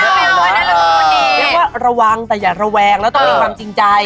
เรียกว่าระวังแต่อย่าระแวงแล้วต้องมีความจริงใจ